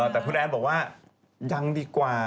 แต่คุณแอนบอกว่ายังดีกว่า